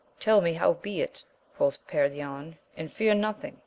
Tell me howbeit, quoth Perion, and fear nothing.